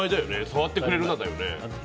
触ってくれるなだよね。